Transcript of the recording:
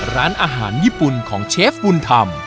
ร้านอาหารญี่ปุ่นของเชฟบุญธรรม